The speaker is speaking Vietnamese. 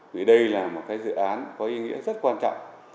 vì đây là một cái dự án có ý nghĩa rất quan trọng